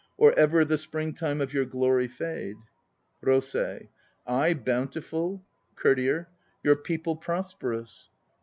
Or ever the springtime of your glory fade. ROSEI. 1 bountiful ... COURTIER. Your people prosperous.